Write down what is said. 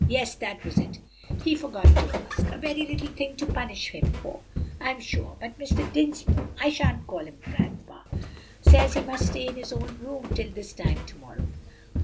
"Yes, that was it; he forgot to ask. A very little thing to punish him for, I'm sure; but Mr. Dinsmore (I sha'n't call him grandpa) says he must stay in his own room till this time to morrow."